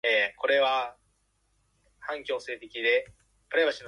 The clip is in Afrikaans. Die leerling het kritiese denkwyses toegepas en kreatiewe oplossings tot die probleem uitgedink.